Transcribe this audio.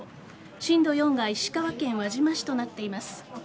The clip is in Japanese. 震度４が石川県輪島市となっています。